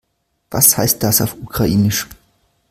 Was heißt das auf Ukrainisch?